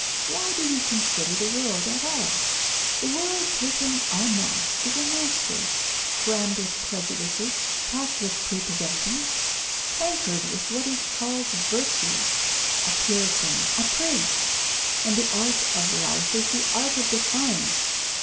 Why do we consider the world at all? The world taken en masse is a monster, crammed with prejudices, packed with prepossessions, cankered with what it calls virtues, a puritan, a prig. And the art of life is the art of defiance.